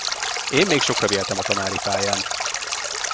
Én még sokra vihetem a tanári pályán.